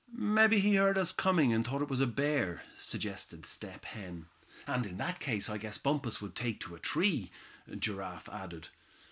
"Mebbe he heard us coming, and thought it was a bear," suggested Step Hen. "And in that case I guess Bumpus would take to a tree," Giraffe added.